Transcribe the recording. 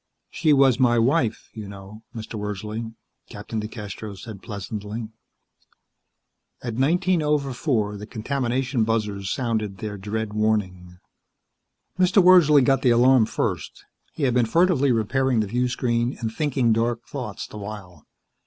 "She was my wife, you know, Mr. Wordsley," Captain DeCastros said pleasantly. At nineteen over four the contamination buzzers sounded their dread warning. Mr. Wordsley got the alarm first. He had been furtively repairing the viewscreen and thinking dark thoughts the while.